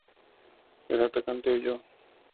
El atacante huyó.